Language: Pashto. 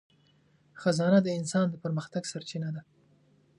خزانه د انسان د پرمختګ سرچینه ده.